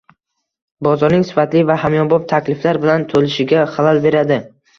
bozorning sifatli va hamyonbop takliflar bilan to‘lishiga xalal beradi.